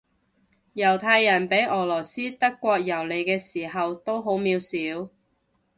猶太人畀俄羅斯德國蹂躪嘅時候都好渺小